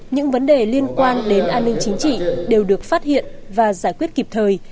những vấn đề liên quan đến an ninh chính trị đều được phát hiện và giải quyết kịp thời